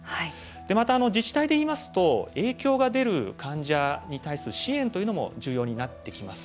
また自治体でいいますと影響が出る患者に対する支援というのも重要になってきます。